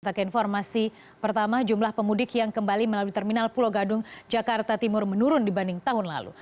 kita ke informasi pertama jumlah pemudik yang kembali melalui terminal pulau gadung jakarta timur menurun dibanding tahun lalu